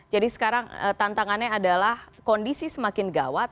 jadi sekarang tantangannya adalah kondisi semakin gawat